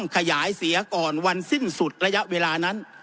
ขยายเสียก่อนวันสิ้นสุดระยะเวลานั้น